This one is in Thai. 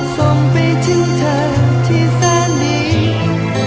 ส่งไปถึงเธอที่แฟนดี